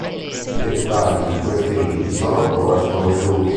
I dettagli di questi riti sono ancora sconosciuti.